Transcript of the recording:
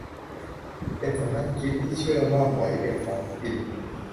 เป็นสำนักคิดที่เชื่อว่า หมอยเป็นของกิน